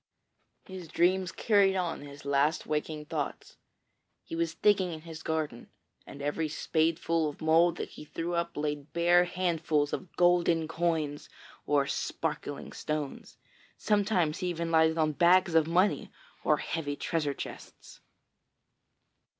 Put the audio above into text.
His dreams carried on his last waking thoughts. He was digging in his garden, and every spadeful of mould that he threw up laid bare handfuls of golden coins or sparkling stones. Sometimes he even lighted on bags of money or heavy treasure chests.